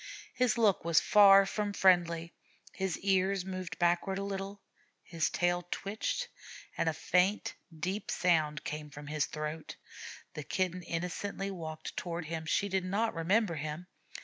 His look was far from friendly; his ears moved backward a little, his tail twitched, and a faint, deep sound came from his throat. The Kitten innocently walked toward him. She did not remember him.